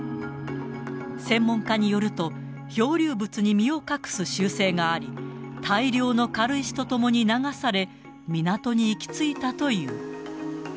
専門家によると、漂流物に身を隠す習性があり、大量の軽石とともに流され、港に行き着いたという。